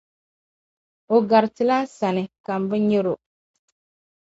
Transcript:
o garitila n sani, ka m bi nyari o.